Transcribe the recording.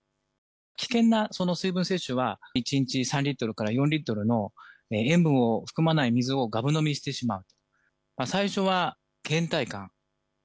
危険な水分摂取は１日３リットルから４リットルの塩分を含まない水をがぶ飲みしてしまう。